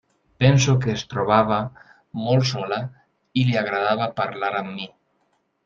Penso que es trobava molt sola i li agradava parlar amb mi.